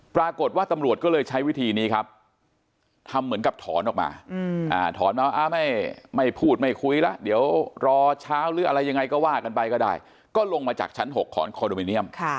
ปรากฏว่าตำรวจก็เลยใช้วิธีนี้ครับทำเหมือนกับถอนออกมาถอนมาไม่พูดไม่คุยแล้วเดี๋ยวรอเช้าหรืออะไรยังไงก็ว่ากันไปก็ได้ก็ลงมาจากชั้น๖ถอนคอนโดมิเนียม